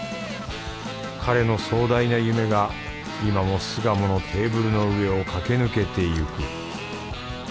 彼の壮大な夢が今も巣鴨のテーブルの上を駆け抜けていく